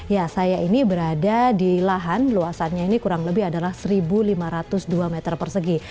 ya saya ini berada di lahan luasannya ini kurang lebih adalah satu lima ratus dua meter persegi